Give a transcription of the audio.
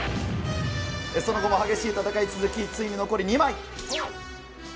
その後も激しい戦いが続き、ついに残り２枚。